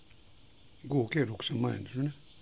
合計６０００万円ですね。